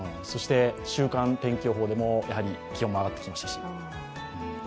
そして、週間天気予報でも気温が上がってきましたし。